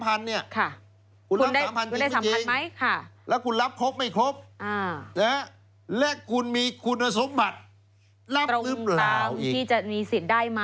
คุณรับ๓๐๐๐จริงหรือเปล่าจริงแล้วคุณรับครบไม่ครบและคุณมีคุณสมบัติรับหรือเปล่าอีก